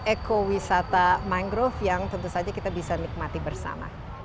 ekowisata mangrove yang tentu saja kita bisa nikmati bersama